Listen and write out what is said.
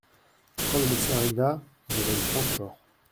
Quand le médecin arriva, j'avais le transport.